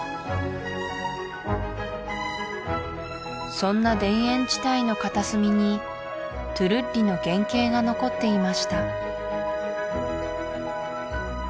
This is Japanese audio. そんな田園地帯の片隅にトゥルッリの原形が残っていました